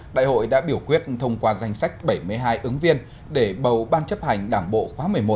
đại hội đã biểu quyết thông qua danh sách bảy mươi hai ứng viên để bầu ban chấp hành đảng bộ khóa một mươi một